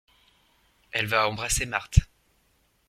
Elle va embrasser Marthe.